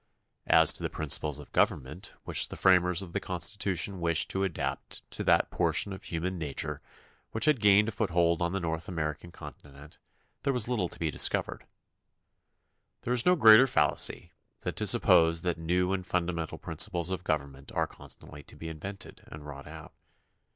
As to the prin ciples of government which the framers of the Con stitution wished to adapt to that portion of human nature which had gained a foothold on the North American continent there was little to be discovered. There is no greater fallacy than to suppose that new and fundamental principles of government are con stantly to be invented and wrought out.